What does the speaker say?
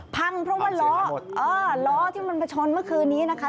พังเพราะว่าล้อล้อที่มันมาชนเมื่อคืนนี้นะคะ